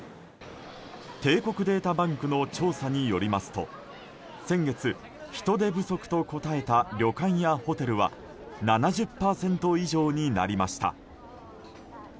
帝国データバンクの調査によりますと先月、人手不足と答えた旅館やホテルは７０％以上になりました。